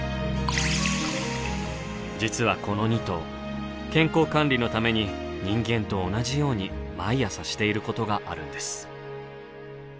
実はこの２頭健康管理のために人間と同じように毎朝していることがあるんです。